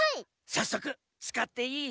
さっそくつかっていい？